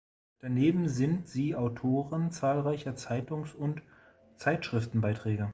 Daneben sind sie Autoren zahlreicher Zeitungs- und Zeitschriftenbeiträge.